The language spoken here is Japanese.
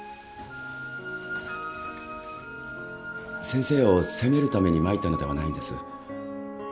先生を責めるために参ったのではないんです。